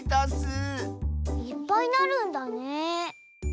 いっぱいなるんだねえ。